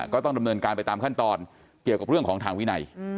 ก็ต้องดำเนินการไปตามขั้นตอนเกี่ยวกับเรื่องของทางวินัย